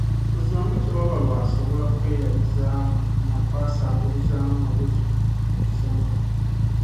Ku zombi tewaba lw’asobola kweyabizaamu na kwasangulizaamu magezi mu kusoma.